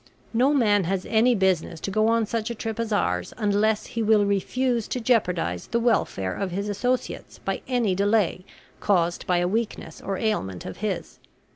No man has any business to go on such a trip as ours unless he will refuse to jeopardize the welfare of his associates by any delay caused by a weakness or ailment of his.